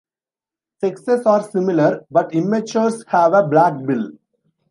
Sexes are similar, but immatures have a black bill.